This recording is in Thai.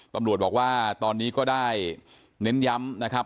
ตำรวจบอกว่าตอนนี้ก็ได้เน้นย้ำนะครับ